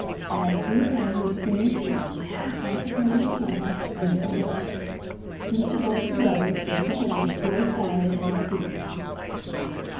Add three pounds of cream cheese, half a pound of honey, and one egg. Beat the whole together, and cook it on a slow fire in a stewpan."